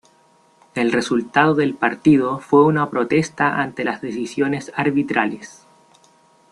El resultado del partido fue una protesta ante las decisiones arbitrales.